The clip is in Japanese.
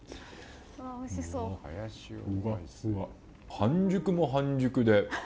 半熟も半熟で。